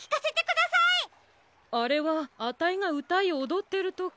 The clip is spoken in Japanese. あれはあたいがうたいおどってるとき。